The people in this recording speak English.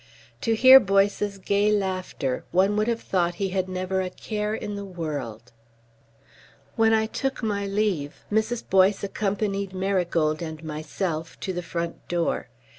To hear Boyce's gay laughter one would have thought he had never a care in the world ... When I took my leave, Mrs. Boyce accompanied Marigold and myself to the front door.